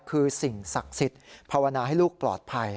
คือสิ่งศักดิ์สิทธิ์ภาวนาให้ลูกปลอดภัย